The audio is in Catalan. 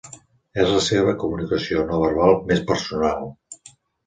És la seva comunicació no verbal més personal.